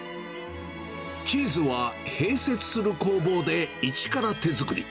チーズは併設する工房で一から手作り。